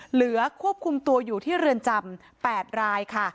เหลือควบคุมตัวอยู่ที่เรือนจำ๘รายค่ะ